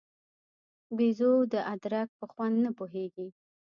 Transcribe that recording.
بېزو د ادرک په خوند نه پوهېږي.